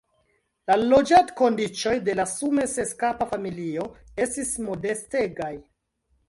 La loĝadkondiĉoj de la sume seskapa familio estis modestegaj.